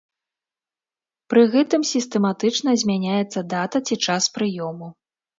Пры гэтым сістэматычна змяняецца дата ці час прыёму.